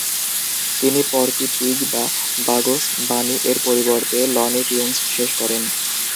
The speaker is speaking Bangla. তিনি পর্কী পিগ বা বাগস বানি এর পরিবর্তে লনি টিউনস শেষ করেন।